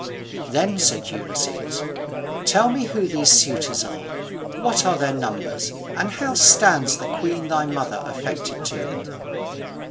Then said Ulysses, "Tell me who these suitors are, what are their numbers, and how stands the queen thy mother affected to them?"